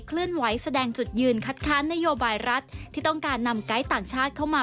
เลื่อนไหวแสดงจุดยืนคัดค้านนโยบายรัฐที่ต้องการนำไกด์ต่างชาติเข้ามา